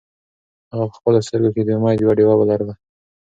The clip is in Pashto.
هغه په خپلو سترګو کې د امید یوه ډېوه لرله.